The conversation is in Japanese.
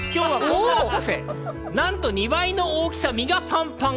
なんと２倍の大きさ、実がパンパン。